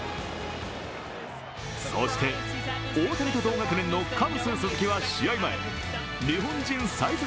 そして、大谷と同学年のカブス・鈴木は、試合前日本人最速